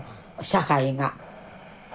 社会が。